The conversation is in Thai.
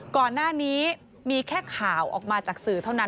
ก่อนหน้านี้มีแค่ข่าวออกมาจากสื่อเท่านั้น